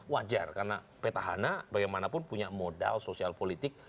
wajar karena pt hane bagaimanapun punya modal sosial politik